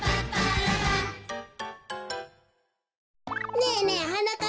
ねえねえはなかっ